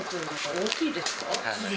大きいです。